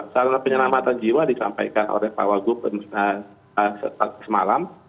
sarana penyelamatan jiwa disampaikan oleh pak wagub semalam